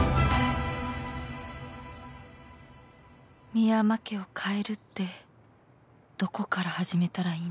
深山家を変えるってどこから始めたらいいんだろう